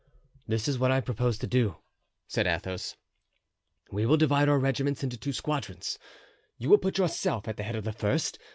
"This is what I propose to do," said Athos. "We will divide our regiments into two squadrons. You will put yourself at the head of the first.